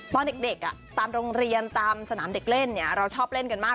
ตอนเด็กตามโรงเรียนตามสนามเด็กเล่นเราชอบเล่นกันมาก